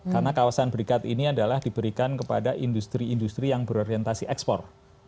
karena kawasan berikat ini adalah diberikan kepada industri industri yang berorientasi ekspor